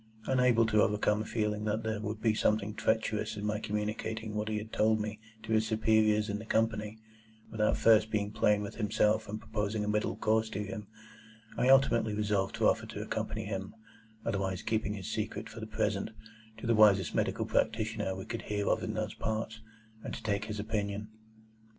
Unable to overcome a feeling that there would be something treacherous in my communicating what he had told me to his superiors in the Company, without first being plain with himself and proposing a middle course to him, I ultimately resolved to offer to accompany him (otherwise keeping his secret for the present) to the wisest medical practitioner we could hear of in those parts, and to take his opinion.